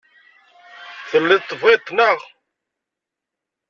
Telliḍ tebɣiḍ-t, naɣ?